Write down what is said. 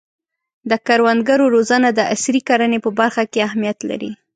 د کروندګرو روزنه د عصري کرنې په برخه کې اهمیت لري.